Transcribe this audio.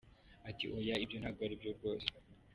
Ati , “Oya, ibyo ntabwo ari byo rwose.